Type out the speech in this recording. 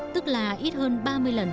tức là ít hơn ba mươi lần